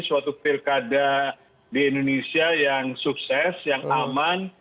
suatu pilkada di indonesia yang sukses yang aman